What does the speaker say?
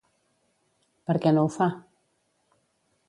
Per què no ho fa?